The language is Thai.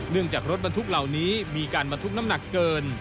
จากรถบรรทุกเหล่านี้มีการบรรทุกน้ำหนักเกิน